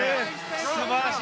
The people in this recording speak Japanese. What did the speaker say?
素晴らしい！